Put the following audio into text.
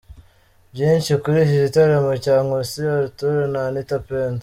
Byinshi kuri iki gitaramo cya Nkusi Arthur na Anitha Pendo.